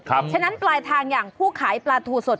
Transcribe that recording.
เพราะฉะนั้นปลายทางอย่างผู้ขายปลาทูสด